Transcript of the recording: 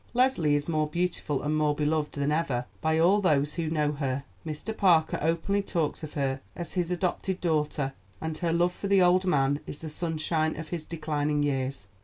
Leslie is more beautiful and more beloved than ever by all those who know her. Mr. Parker openly talks of her as his adopted daughter, and her love for the old man is the sunshine of his declining years.